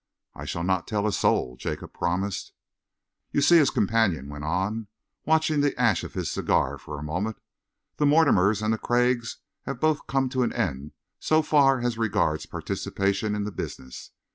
"I shall not tell a soul," Jacob promised. "You see," his companion went on, watching the ash of his cigar for a moment, "the Mortimers and the Craigs have both come to an end so far as regards participation in the business.